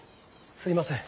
すいません。